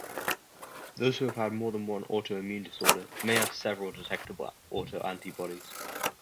Those who have more than one autoimmune disorder may have several detectable autoantibodies.